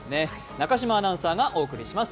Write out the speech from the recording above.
中島アナウンサーがお送りします。